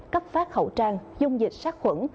cấp phát khẩu trang dung dịch sát khuẩn